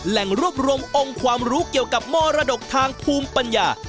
แหล่งรวบรวมองค์ความรู้เกี่ยวกับมรดกทางภูมิปัญญา